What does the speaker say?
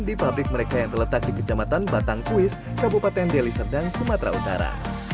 di pabrik mereka yang terletak di kecamatan batangkuis kabupaten deli serdang sumatera utara